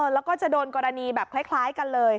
แล้วก็จะโดนกรณีแบบคล้ายกันเลย